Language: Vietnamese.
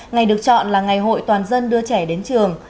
ngày được chọn là ngày hội toàn dân đưa trẻ đến trường